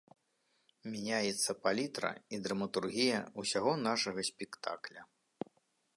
Мяняецца палітра і драматургія ўсяго нашага спектакля.